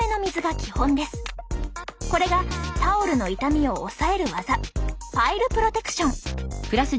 これがタオルの傷みを抑える技パイルプロテクション。